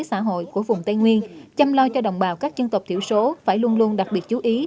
xã hội của vùng tây nguyên chăm lo cho đồng bào các dân tộc thiểu số phải luôn luôn đặc biệt chú ý